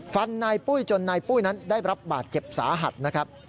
ฟันนายปุ้ยจนนายปุ้ยนั้นได้รับบาดเจ็บสาหัสนะครับ